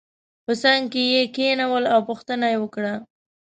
په څنګ کې یې کېنول او پوښتنه یې وکړه.